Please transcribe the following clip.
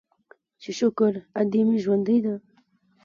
چې شکر ادې مې ژوندۍ ده.